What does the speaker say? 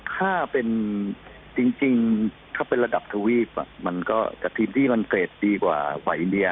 ถ้าเป็นทีมที่กับระดับสุดท้ายกับเขามันคือเทรดสุดท้ายที่สุดดีกว่าไว้อินเดีย